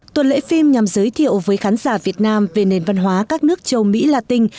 tuần lễ phim nhằm giới thiệu với khán giả việt nam về nền văn hóa các nước châu mỹ la tinh